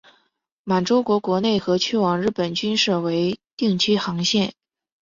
满洲国国内和去往日本均设为定期航线。